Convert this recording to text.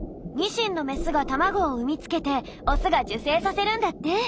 ニシンのメスが卵を産み付けてオスが受精させるんだって。